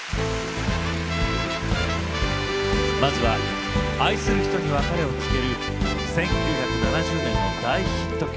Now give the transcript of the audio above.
まずは愛する人に別れを告げる１９７０年の大ヒット曲